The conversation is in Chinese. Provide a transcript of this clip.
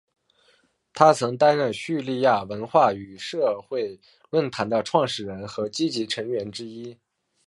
他曾担任叙利亚文化与社会论坛的创始人和积极成员之一。